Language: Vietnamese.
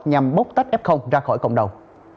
nhằm bốc tách f ra khỏi cộng đồng